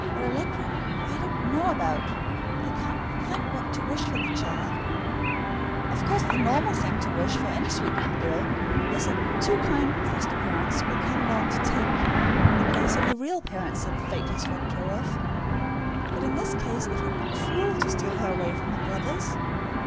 But Allegra I don't know about; I can't think what to wish for the child. Of course the normal thing to wish for any sweet little girl is that two kind foster parents will come along to take the place of the real parents that Fate has robbed her of. But in this case it would be cruel to steal her away from her brothers.